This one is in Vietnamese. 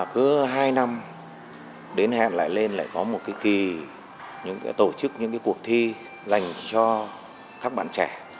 cứ hai năm đến hẹn lại lên lại có một cái kỳ tổ chức những cuộc thi dành cho các bạn trẻ